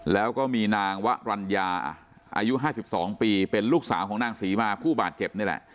แล้วก็มีนางวะรัญญาอายุ๕๒ปีเป็นลูกสาวของนางศรีมาผู้บาดเจ็บนี่แหละ